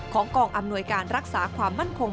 กองอำนวยการรักษาความมั่นคง